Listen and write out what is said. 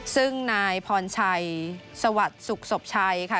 ซึ่งนายพรชัยสวัสดิ์สุขศพชัยค่ะ